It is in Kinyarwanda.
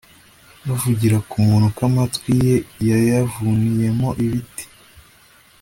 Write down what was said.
bavugira kumuntu ko amatwi ye yayavuniyemo ibiti